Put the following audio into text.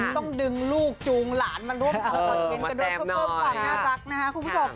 ต้องดึงลูกจูงหลานมารวมของคอนเทนต์กันด้วยเพื่อเพิ่มความน่ารักนะฮะ